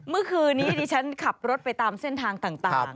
เมื่อคืนนี้ดิฉันขับรถไปตามเส้นทางต่าง